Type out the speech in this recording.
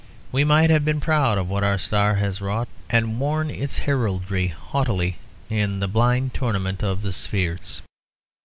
We might have been proud of what our star has wrought, and worn its heraldry haughtily in the blind tournament of the spheres.